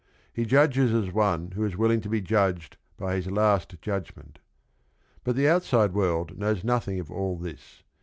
He judges as one who is willing to be judged by his last judg ment. But the outside world knows nothing of all this.